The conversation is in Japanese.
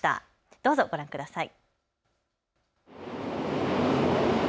どうぞご覧ください。